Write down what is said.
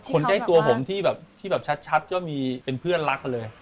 คนใกล้ตัวผมที่แบบชัดแบบว่าเป็นเพื่อนรักเลย